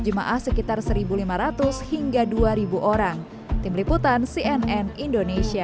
jemaah sekitar seribu lima ratus hingga dua ribu orang tim liputan cnn indonesia